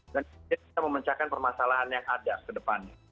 dan kita memecahkan permasalahan yang ada ke depannya